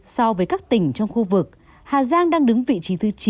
so với các tỉnh trong khu vực hà giang đang đứng vị trí thứ chín